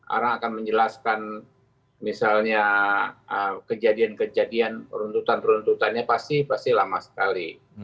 orang akan menjelaskan misalnya kejadian kejadian peruntutan peruntutannya pasti lama sekali